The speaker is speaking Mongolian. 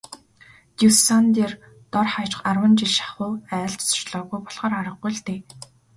Дюссандер дор хаяж арван жил шахуу айлд зочлоогүй болохоор аргагүй л дээ.